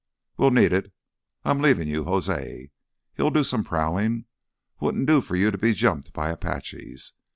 "We'll need it. I'm leaving you José—he'll do some prowling. Wouldn't do for you to be jumped by Apaches.